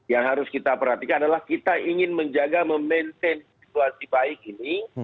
yang harus kita perhatikan adalah kita ingin menjaga memaintain situasi baik ini